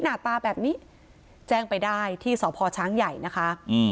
หน้าตาแบบนี้แจ้งไปได้ที่สพช้างใหญ่นะคะ